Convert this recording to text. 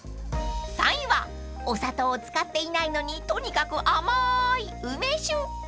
［３位はお砂糖を使っていないのにとにかく甘い梅酒］